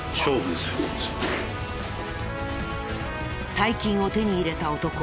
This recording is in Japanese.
大金を手に入れた男。